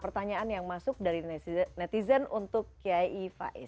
pertanyaan yang masuk dari netizen untuk kiai faiz